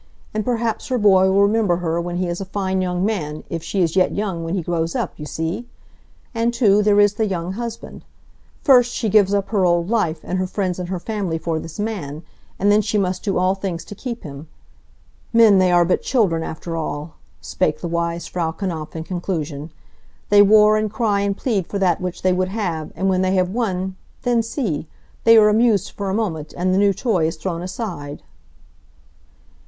And perhaps her boy will remember her when he is a fine young man, if she is yet young when he grows up, you see? And too, there is the young husband. First, she gives up her old life, and her friends and her family for this man, and then she must do all things to keep him. Men, they are but children, after all," spake the wise Frau Knapf in conclusion. "They war and cry and plead for that which they would have, and when they have won, then see! They are amused for a moment, and the new toy is thrown aside."